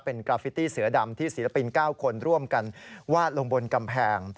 เป็นกราฟิตี้เสือดำที่ศิลปิน๙คนร่วมกันวาดลงบนกำแพง